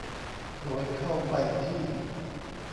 โดยเข้าไปที่